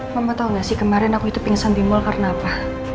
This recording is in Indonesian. mama tau gak sih kemarin aku itu pingsan bimbul karena apa